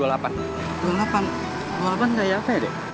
dua puluh delapan dua puluh delapan nanti naik apa dek